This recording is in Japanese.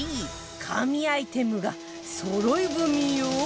神アイテムがそろい踏みよ